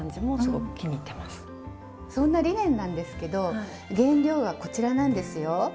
そんなリネンなんですけど原料はこちらなんですよ。